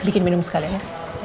bikin minum sekali ya